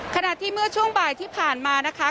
ขณะที่เมื่อช่วงบ่ายที่ผ่านมานะคะ